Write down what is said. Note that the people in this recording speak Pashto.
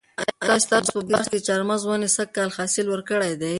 آیا ستاسو په باغ کې د چهارمغز ونې سږ کال حاصل ورکړی دی؟